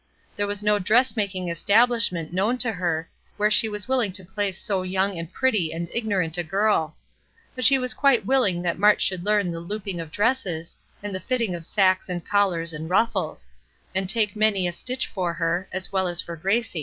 There was no dressmaking establishment known to her where she was willing to place so young and pretty and ignorant a girl. But she was quite willing that Mart should learn the looping of dresses, and the fitting of sacks and collars and ruffles; and take many a stitch for her, as well as for Gracie.